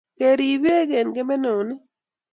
Kerip bek eng kebenonik